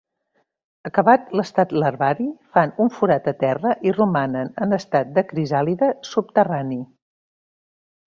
Acabat l'estat larvari, fan un forat a terra i romanen en estat de crisàlide subterrani.